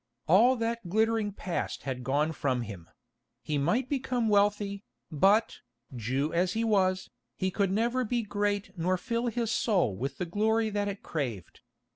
All that glittering past had gone from him; he might become wealthy, but, Jew as he was, he could never be great nor fill his soul with the glory that it craved.